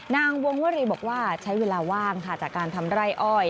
นางวงวรีบอกว่าใช้เวลาว่างค่ะจากการทำไร่อ้อย